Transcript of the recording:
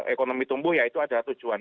ekonomi tumbuh ya itu adalah tujuan